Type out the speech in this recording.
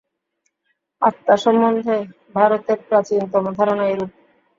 আত্মা সম্বন্ধে ভারতের প্রাচীনতম ধারণা এইরূপ।